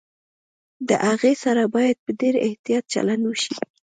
د هغې سره باید په ډېر احتياط چلند وشي